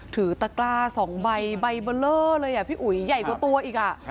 ถือตะกล้าสองใบใบเบอร์เลอร์เลยอ่ะพี่อุ๋ยใหญ่กว่าตัวอีกอ่ะ